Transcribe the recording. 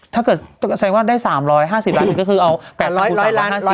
ถ้าเกิดแสดงว่าได้๓๕๐ล้านก็คือเอา๘๐๐ล้าน